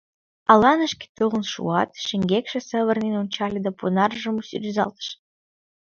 Аланышке толын шуат, шеҥгекше савырнен ончале да понаржым рӱзалтыш.